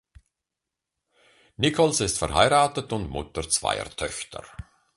Nicholls ist verheiratet und Mutter zweier Töchter.